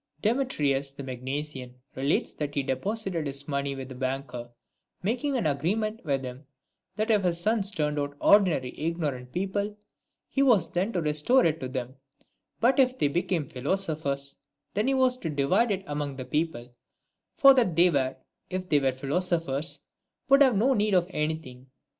V. Demetrius, the Magnesian, relates that he deposited his money with a banker, making an agreement with him, that if his sons turned out ordinary ignorant people, he was then to restore it to them ; but if they became philosophers, then he was to divide it among the people, for that they, if they were philosophers, would have no need of anything.